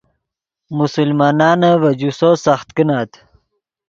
مسلمانانے ڤے جوسو سخت کینت